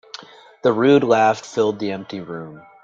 The rude laugh filled the empty room.